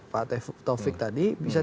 pak taufik tadi bisa